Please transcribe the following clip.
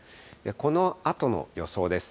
このあとの予想です。